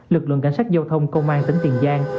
lực lượng cảnh sát giao thông công an tỉnh tiền giang